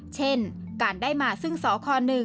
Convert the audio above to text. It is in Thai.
เช่นการได้มาซึ่งสค๑